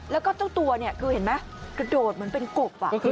แล้วก็เจ้าตัวเห็นไหมกระโดดเหมือนเป็นกบ